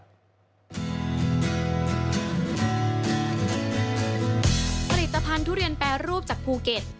ผลิตภัณฑ์ทุเรียนแปรรูปจากภูเก็ต